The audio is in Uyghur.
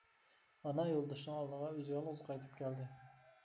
ئانا يولدىشىنىڭ ئالدىغا ئۆزى يالغۇز قايتىپ كەلدى.